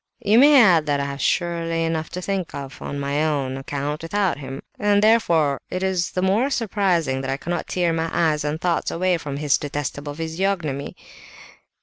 "You may add that I have surely enough to think of, on my own account, without him; and therefore it is all the more surprising that I cannot tear my eyes and thoughts away from his detestable physiognomy."